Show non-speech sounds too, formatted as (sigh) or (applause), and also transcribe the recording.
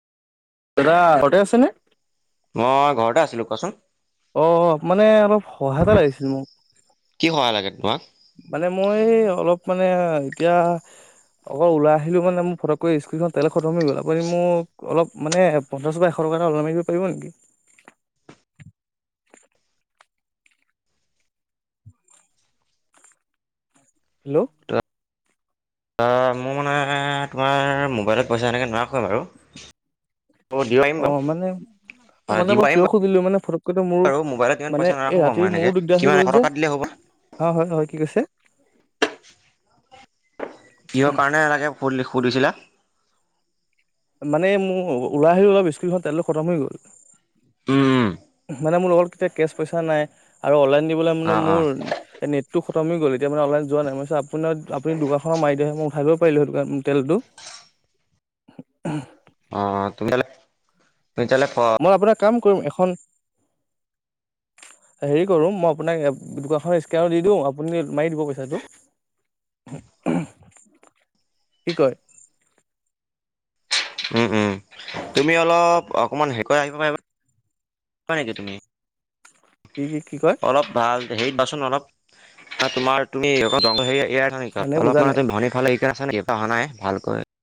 দাদা ঘৰতে আছেনে? মই ঘৰতে আছিলো কোৱাচোন। অঁ মানে অলপ সহায় এটা লাগিছিল মোক। কি সহায় লাগে তোমাক? মানে মই অলপ মানে এতিয়া। অকল ওলাই আহিলো মানে ম ফকক স্কখন তেল খতম হৈ গ'ল আপু মোক অলপ মানে পঞ্চাছ পৰা এশ। অঁ এইবাৰ লমাৰিব পাৰিব নিকি। (inaudible) হেল্ল'। মোৰ মানে তোমাৰ মোবাইলত পইচা এনেকে নোৱাৰ। হ বাৰু অঁ দিয় পাৰিম বাৰু। আৰু অ' মানে দিব মই পাৰিম কিয় বাৰু সুধিলো মানে ফটককৈটো মোৰ আৰু মোবাইলত ইমান মানে পইচা নাৰাখো এই বাৰু ৰাতি মই এনেকে। মোৰো দিগদাৰ হৈ কিমান এশ গল যে। টকা দিলে হ'ব? অঁ হয় -হয় কি কৈছে। কিহৰ কাৰণে এনেকে ফুলি সুধিছিলা। মানে মোৰ ওলাই আহিল অলপ স্কুলখন তাইৈ খতম হৈ গ'ল। উম উম। মানে মোৰ লগত তেতিয়া কেচ পইচা নাই আৰু অনলাইন দিবলৈ মানে অ', অ', মোৰ নেটটো। তম গ'ল এতিয়ানে অনলাইনোৱা নাই মই আপুনাৰ আপুনি দোকানখনত মাৰি দিয়া হলে মই উঠাই। পাৰলো সটো কাৰ তেলটো। অঁ তুমিতা তুমিতালে ফ। মই আপোনাক কাম কৰিম এখন। (inaudible) হেৰি কৰো মই আপোনাক দোকানখনত স্কেন দি দিওঁ আপুনি মাৰি দিব পইচাঁটো। কি কয়। উম উম তুমি অলপ অকমান হেৰিষৈ আহিব পাৰিবা। নেকি তুমি কি কি কি কয় অলপ ভাল। হেৰি বাচোন অলপ তোমাৰ তুমি এয় থা অলপ বুজা মানে নাই ত ভনী খাল লাগি। অহা নাই ভালকৈ।